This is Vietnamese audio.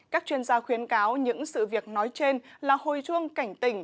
các chuyên gia khuyến cáo những sự việc nói trên là hồi chuông cảnh tỉnh